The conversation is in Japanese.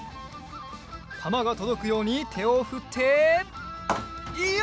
たまがとどくようにてをふってよし！